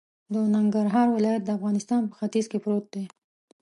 د ننګرهار ولایت د افغانستان په ختیځ کی پروت دی